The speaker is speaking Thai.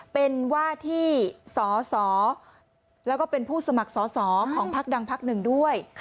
เป็นว่าที่สอสอแล้วก็เป็นผู้สมัครสอสอของพักดังพักหนึ่งด้วย